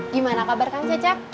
gimana kabar kan cecak